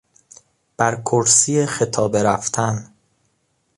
بر کرسی خطابه رفتن